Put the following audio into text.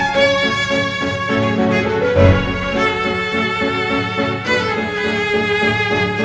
tidak mau menang dry